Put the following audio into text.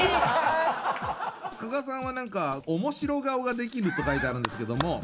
加賀さんは何か面白顔ができるって書いてあるんですけども。